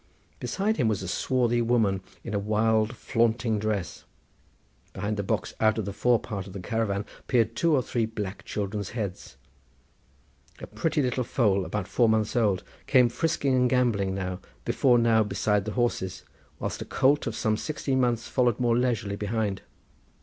Beside him was a swarthy woman in a wild flaunting dress. Behind the box out of the fore part of the caravan peered two or three children's black heads. A pretty little foal about four months old came frisking and gambolling now before now beside the horses, whilst a colt of some sixteen months followed more leisurely behind.